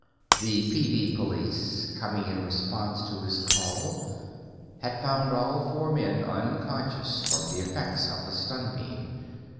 The PD Police, coming in response to his call, had found all four men unconscious from the effects of the stun beam.